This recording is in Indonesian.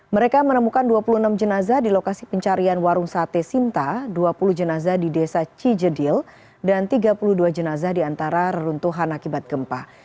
mereka menemukan dua puluh enam jenazah di lokasi pencarian warung sate sinta dua puluh jenazah di desa cijedil dan tiga puluh dua jenazah diantara reruntuhan akibat gempa